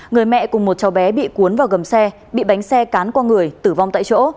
người mẹ cùng một cháu bé bị cuốn vào gầm xe bị bánh xe cán qua người tử vong tại chỗ